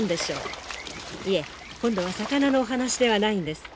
いえ今度は魚のお話ではないんです。